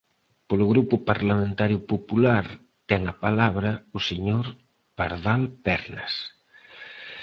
Polo Grupo Parlamentario Popular, ten a palabra o señor Pardal Pernas.